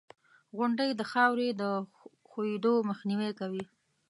• غونډۍ د خاورې د ښویېدو مخنیوی کوي.